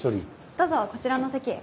どうぞこちらの席へ。